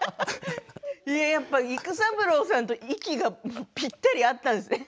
育三郎さんと息がぴったりだったんですね。